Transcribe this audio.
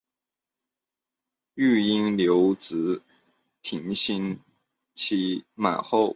育婴留职停薪期满后